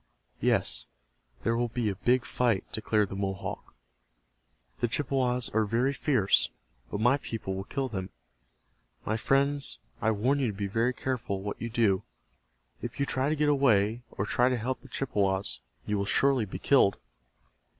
"Yes, there will be a big fight," declared the Mohawk. "The Chippewas are very fierce, but my people will kill them. My friends, I warn you to be very careful what you do. If you try to get away, or try to help the Chippewas, you will surely be killed."